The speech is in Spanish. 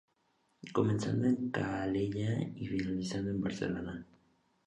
Comenzando en Calella y finalizando en Barcelona.